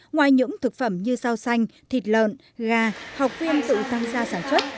ngoài những thực phẩm như rau xanh thịt lợn gà học viên tự tăng gia sản xuất